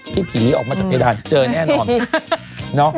ผีออกมาจากเพดานเจอแน่นอน